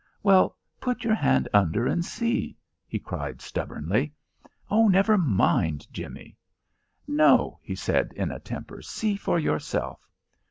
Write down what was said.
"Well, put your hand under and see," he cried, stubbornly. "Oh, never mind, Jimmie." "No," he said, in a temper. "See for yourself."